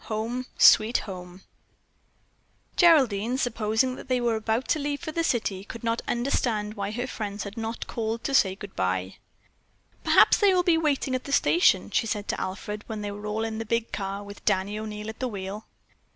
HOME, SWEET HOME Geraldine, supposing that they were about to leave for the city, could not understand why her friends had not called to say good bye. "Perhaps they will be waiting at the station," she said to Alfred when they were all in the big car, with Danny O'Neil at the wheel.